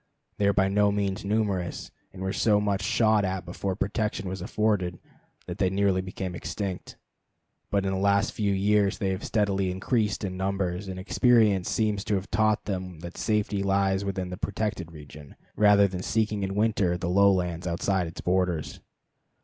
They are by no means numerous, and were so much shot at before protection was afforded that they nearly became extinct. But in the last few years they have steadily increased in numbers, and experience seems to have taught them that safety lies within the protected region, rather than in seeking in winter the lowlands outside its borders.